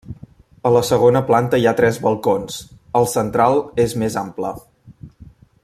A la segona planta hi ha tres balcons; el central és més ampla.